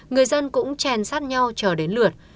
người dân cũng chèn sát nhau chờ đến lượt